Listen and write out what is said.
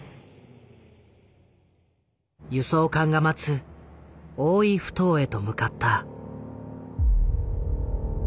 輸送艦が待つ大井ふ頭へと向かった。